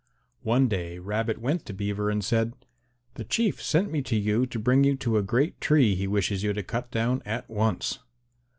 One day Rabbit went to Beaver and said, "The Chief sent me to you to bring you to a great tree he wishes you to cut down at once."